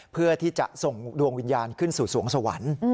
เพื่อที่จะส่งดวงวิญญาณขึ้นสู่สวงสวรรค์